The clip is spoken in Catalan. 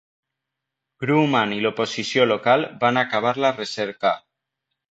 Grumman i l'oposició local van acabar la recerca.